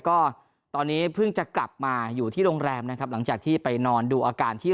ก็ตอนนี้เพิ่งจะกลับมาอยู่ที่โรงแรมนะครับหลังจากที่ไปนอนดูอาการที่